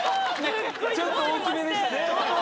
ちょっと大きめでしたね。